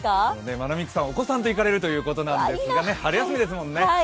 まなみくさん、お子さんと行かれるということですが、春休みですもんね